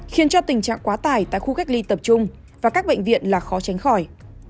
khiến cho tình trạng quá tải tại khu cách ly tập trung và các bệnh viện là khó tránh khỏi